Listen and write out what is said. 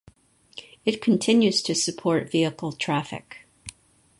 It continues to support vehicle traffic.